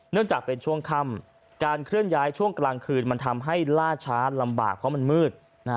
จากเป็นช่วงค่ำการเคลื่อนย้ายช่วงกลางคืนมันทำให้ล่าช้าลำบากเพราะมันมืด